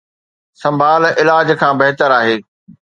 سنڀال علاج کان بهتر آهي